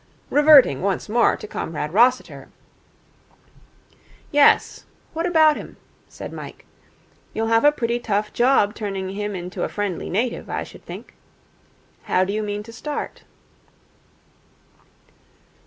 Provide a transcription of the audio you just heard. Reverting once more to Comrade Rossiter ' 'Yes, what about him?' said Mike. 'You'll have a pretty tough job turning him into a friendly native, I should think. How do you mean to start?'